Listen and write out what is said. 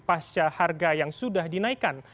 pasca harga yang sudah dinaikkan